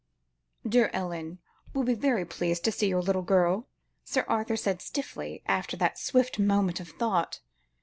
"Dear Ellen will be very pleased to see your little girl," Sir Arthur said stiffly, after that swift moment of thought.